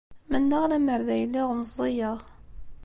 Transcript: Mennaɣ lemmer d ay lliɣ meẓẓiyeɣ.